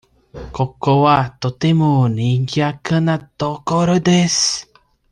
ここはとてもにぎやかな所です。